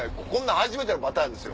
初めてのパターンですよ。